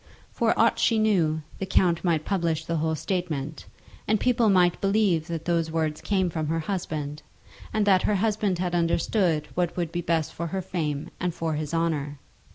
For aught she knew, the count might publish the whole statement, and people might believe that those words came from her husband, and that her husband had understood what would be best for her fame and for his honour.